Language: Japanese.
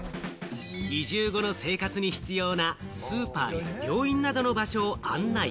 移住後の生活に必要なスーパーや病院などの場所を案内。